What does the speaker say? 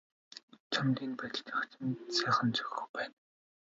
Чамд энэ байдал чинь хачин сайхан зохиж байна.